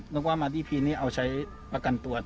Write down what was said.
นึกว่ามาที่พีนนี่เอาใช้ประกันตัว